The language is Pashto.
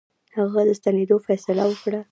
هغه د ستنېدلو فیصله وکړه.